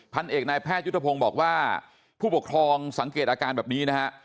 พันเอกนายแพทยุทธพงศ์บอกว่าผู้ปกครองสังเกตอาการแบบนี้นะฮะ